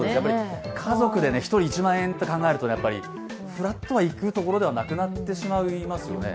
家族で１人１万円と考えるとふらっと行くところではなくなってしまいますよね。